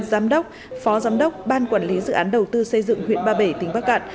giám đốc phó giám đốc ban quản lý dự án đầu tư xây dựng huyện ba bể tỉnh bắc cạn